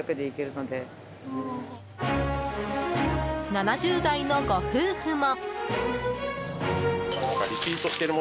７０代のご夫婦も。